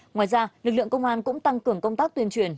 ngoài ra lực lượng công an cũng tăng cường công tác tuyên truyền